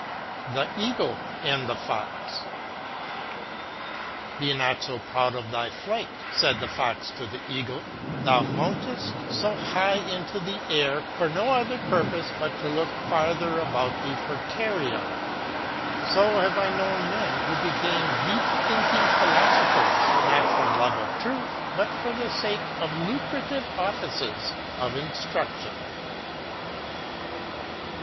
THE EAGLE AND THE Fox. BE not so proud of thy flight ! said the Fox to the Eagle. Thou mountest so high into the air for no other purpose but to look farther about thee for carrion. GERMAN UTERATURB. 43 So have I known men who became deep thinking phil osophers, not from love of truth, but for the sake of lucrative offices of instruction.